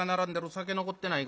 酒残ってないか？